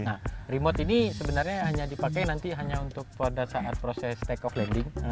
nah remote ini sebenarnya hanya dipakai nanti hanya untuk pada saat proses take off landing